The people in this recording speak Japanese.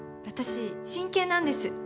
私真剣なんです。